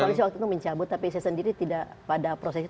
teman teman koalisi waktu itu mencabut tapi saya sendiri tidak pada proses itu